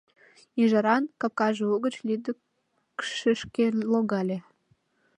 «Ӱжаран» капкаже угыч лӱдыкшышкӧ логале.